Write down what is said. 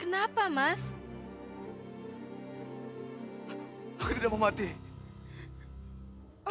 ada orang berpesta